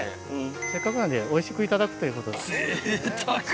せっかくなんでおいしくいただくということ。